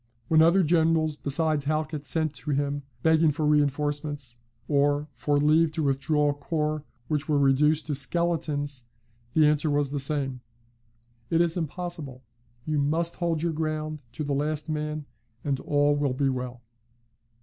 When other generals besides Halkett sent to him, begging for reinforcements, or for leave to withdraw corps which were reduced to skeletons, the answer was the same: "It is impossible; you must hold your ground to the last man, and all will be well."